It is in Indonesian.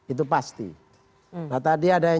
itu pasti nah tadi ada yang